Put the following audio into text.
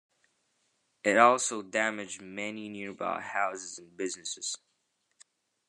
It also damaged many nearby houses and businesses.